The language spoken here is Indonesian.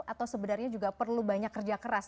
atau sebenarnya juga perlu banyak kerja keras